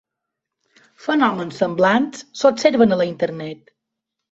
Fenòmens semblants s'observen a la internet.